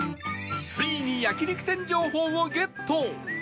ついに焼肉店情報をゲット